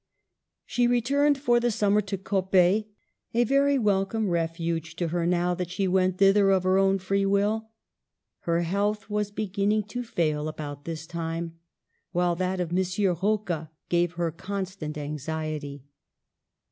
She returned for the summer to Coppet — a very welcome refuge to her now that she went thither of her own free will. Her health was beginning to fail about this time, while that of M. Kocca gave her constant anxiety.